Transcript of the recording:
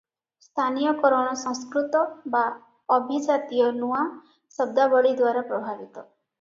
ସ୍ଥାନୀୟକରଣ ସଂସ୍କୃତ ବା ଅଭିଜାତୀୟ ନୂଆ ଶବ୍ଦାବଳୀଦ୍ୱାରା ପ୍ରଭାବିତ ।